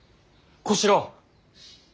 小四郎。